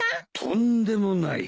とんでもない。